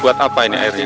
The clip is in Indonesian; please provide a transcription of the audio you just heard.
buat apa ini airnya